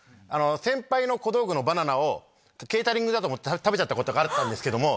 先輩の小道具のバナナをケータリングだと思って食べちゃったことがあったんですけども。